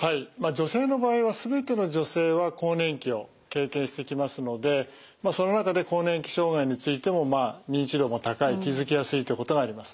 女性の場合は全ての女性は更年期を経験してきますのでその中で更年期障害についても認知度も高い気付きやすいということがあります。